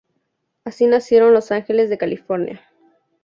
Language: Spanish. Así nacieron los Angeles de California.